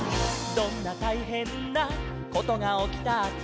「どんなたいへんなことがおきたって」